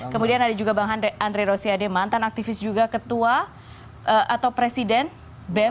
kemudian ada juga bang andre rosiade mantan aktivis juga ketua atau presiden bem